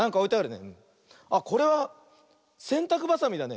あっこれはせんたくばさみだね。